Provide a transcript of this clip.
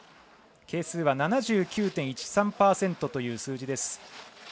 係数は７９．１３％という数字です。